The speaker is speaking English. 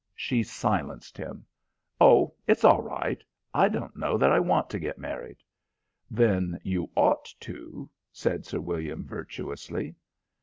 She silenced him. "Oh, it's all right. I don't know that I want to get married." "Then you ought to," said Sir William virtuously.